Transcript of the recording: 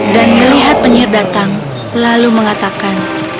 dan melihat penyihir datang lalu mengatakan